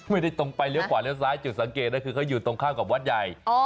ไม่ได้ตรงไปเลี้ยวขวาหรือเลี้ยวซ้ายจุดสังเกตคือเขาอยู่ตรงข้างกับวัดใหญ่